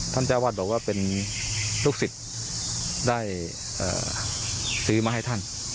เจ้าวาดบอกว่าเป็นลูกศิษย์ได้ซื้อมาให้ท่าน